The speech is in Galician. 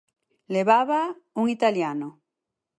Levábaa un italiano.